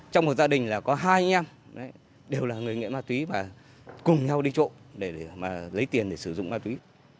các gia đình là có hai em đều là người nghiện ma túy và cùng nhau đi trộm để lấy tiền để sử dụng ma túy